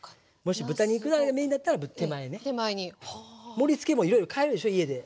盛りつけもいろいろ変えるでしょ家で。